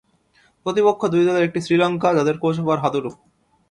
প্রতিপক্ষ দুই দলের একটি শ্রীলঙ্কা, যাদের কোচ আবার হাথুরু।